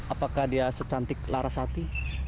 apakah dia secantik larasati